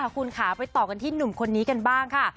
คุณค่ะไปต่อกันที่หนุ่มคนนี้กันบ้างค่ะ